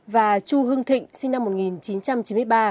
và chu hương thịnh sinh năm một nghìn chín trăm chín mươi năm